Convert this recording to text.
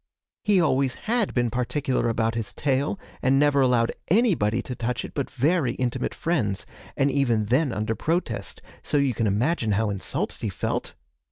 'He always had been particular about his tail, and never allowed anybody to touch it but very intimate friends, and even then under protest, so you can imagine how insulted he felt.